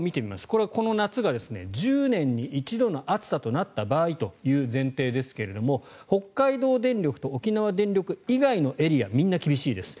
これはこの夏が１０年に一度の暑さとなった場合という前提ですが、北海道電力と沖縄電力以外のエリアみんな厳しいです。